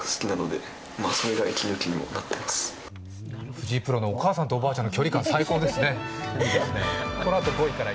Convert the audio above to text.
藤井プロのお母さんとおばあちゃんの距離感、最高ですね。